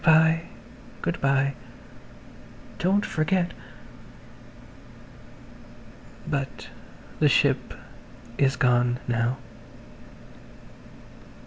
Good bye, good bye. Don't forget. ... But the ship is gone, now.